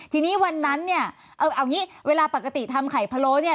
ทีนี้วันนั้นเนี่ยเอางี้เวลาปกติทำไข่พะโล้เนี่ย